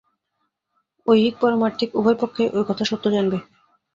ঐহিক পারমার্থিক উভয় পক্ষেই ঐ কথা সত্য জানবি।